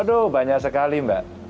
aduh banyak sekali mbak